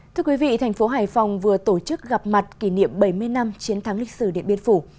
thưa quý vị thành phố hải phòng vừa tổ chức gặp mặt kỷ niệm bảy mươi năm chiến thắng lịch sử điện biên phủ